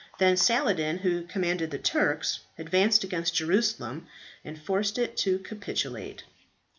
Then Saladin, who commanded the Turks, advanced against Jerusalem, and forced it to capitulate.